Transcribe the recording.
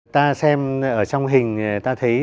ta xem ở trong hình ta thấy